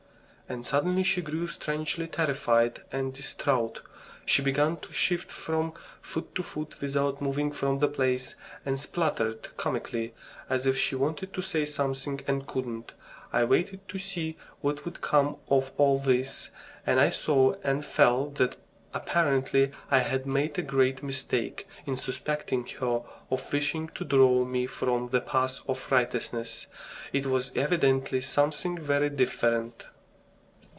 And suddenly she grew strangely terrified and distraught; she began to shift from foot to foot without moving from the place, and spluttered comically, as if she wanted to say something and couldn't. I waited to see what would come of all this, and I saw and felt that, apparently, I had made a great mistake in suspecting her of wishing to draw me from the path of righteousness. It was evidently something very different.